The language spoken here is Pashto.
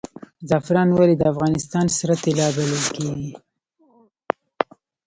زعفران ولې د افغانستان سره طلا بلل کیږي؟